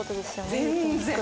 全然！